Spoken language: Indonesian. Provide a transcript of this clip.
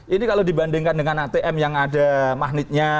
ini kalau dibandingkan dengan atm yang ada magnetnya